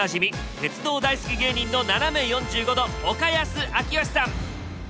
鉄道大好き芸人のななめ４５°岡安章介さん！